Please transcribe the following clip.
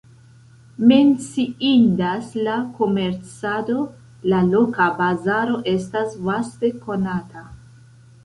Menciindas la komercado, la loka bazaro estas vaste konata.